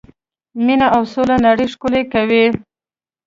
مینه او سوله نړۍ ښکلې کوي.